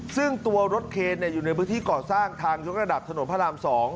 ซึ่งตัวรถเคนอยู่ในพื้นที่ก่อสร้างทางยกระดับถนนพระราม๒